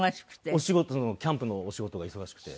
お仕事キャンプのお仕事が忙しくて。